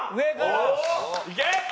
いけ！